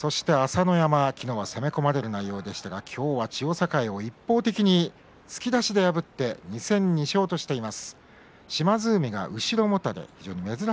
そして朝乃山、昨日は攻め込まれる内容でしたが今日は千代栄を一方的に突き出してがぶって２戦２勝としています。